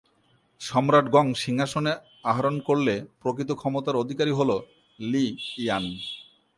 সম্রাট গং সিংহাসনে আরোহণ করলে প্রকৃত ক্ষমতার অধিকারী হল লি ইউয়ান।